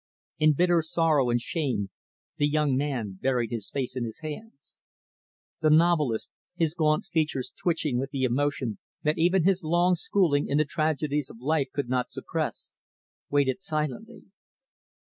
In bitter sorrow and shame, the young man buried his face in his hands. The novelist, his gaunt features twitching with the emotion that even his long schooling in the tragedies of life could not suppress, waited silently.